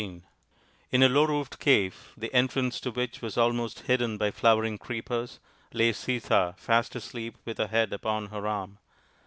XIII In a low roofed cave, the entrance to which was almost hidden by flowering creepers, lay Sita fast RAMA'S QUEST 53 asleep with her head upon her arm.